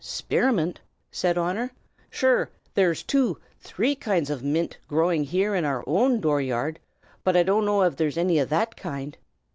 "Spirimint?" said Honor. "Sure, there's two, three kinds o' mint growin' here in oor own door yard, but I dunno av there's anny o' that kind.